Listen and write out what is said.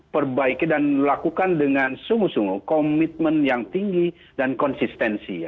perbaiki dan lakukan dengan sungguh sungguh komitmen yang tinggi dan konsistensi